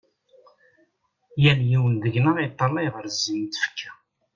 Yal yiwen deg-nneɣ iṭṭalay ɣer zzin n tfekka.